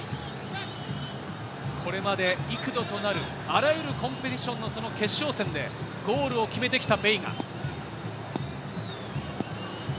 これまで幾度となくあらゆるコンペディションの決勝戦でゴールを決めてきたベイガ。